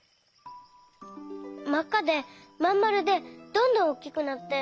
まっかでまんまるでどんどんおっきくなって。